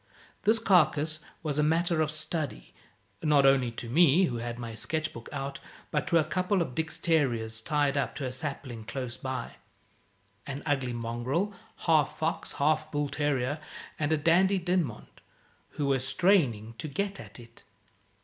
This carcase was a matter of study not only to me, who had my sketch book out, but to a couple of Dick's terriers tied up to a sapling close by an ugly mongrel, half fox half bull terrier, and a Dandie Dinmont who were straining to get at it.